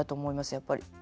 やっぱり。